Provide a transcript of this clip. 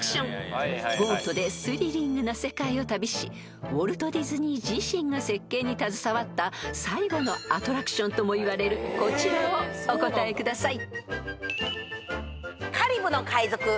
［ボートでスリリングな世界を旅しウォルト・ディズニー自身が設計に携わった最後のアトラクションともいわれるこちらをお答えください］